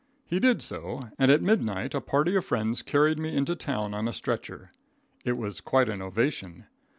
He did so, and at midnight a party of friends carried me into town on a stretcher. It was quite an ovation.